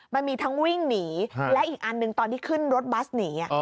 มันมีทั้งวิ่งหนีและอีกอันหนึ่งตอนที่ขึ้นรถบัสหนี